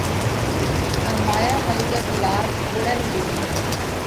ان مايا ملڳت لار ڍوڙئھ ريو۔